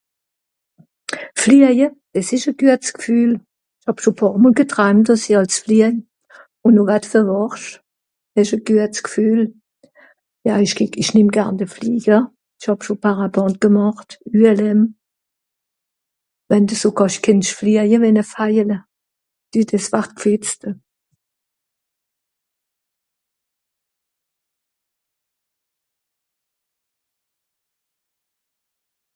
Flieje, dìss ìsch e guets Gfühl. Hàb scho pààr mol getraimt, dàss i àls fliehj. Un no wa d vewàchsch, hesch e guets Gfühl. Ja ich geh ich nemm garn de Flieger, ich hàb scho Parapente gemàcht, ULM, wenn de so kàsch kenntsch fliege wie ne Vajele, dü diss ward gfìtzt